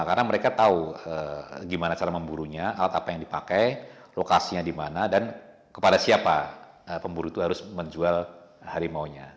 karena mereka tahu gimana cara memburunya alat apa yang dipakai lokasinya di mana dan kepada siapa pemburu itu harus menjual harimau nya